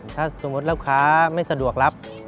ถ้าสมมุติลูกค้าไม่สะดวกรับ